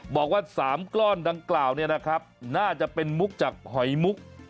บอกว่า๓ก้อนดังกล่าวเนี่ยนะครับน่าจะเป็นมุกจากหอยมุก